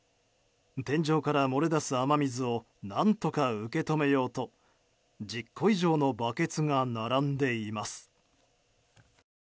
天井から漏れ出す雨水を何とか受け止めようと１０個以上のバケツが並んでいます。